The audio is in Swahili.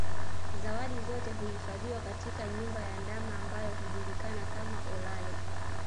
Zawadi zote huhifadhiwa katika nyumba ya ndama ambayo hujulikana kama Olale